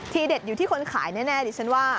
เด็ดอยู่ที่คนขายแน่ดิฉันว่า